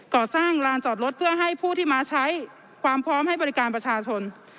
ก่อสร้างลานจอดรถเพื่อให้ผู้ที่มาใช้ความพร้อมให้บริการประชาชน